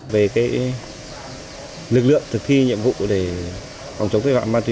về lực lượng thực thi nhiệm vụ để phòng chống tội phạm ma túy